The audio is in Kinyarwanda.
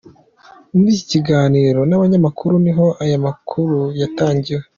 Muri iki kiganiro n'abanyamakuru niho aya makuru yatangiwe.